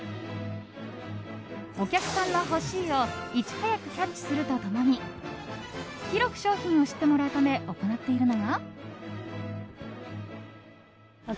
お客さんの欲しい！をいち早くキャッチすると共に広く商品を知ってもらうため行っているのが。